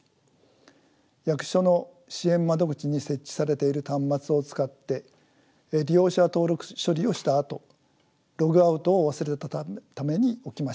役所の支援窓口に設置されている端末を使って利用者が登録処理をしたあとログアウトを忘れたために起きました。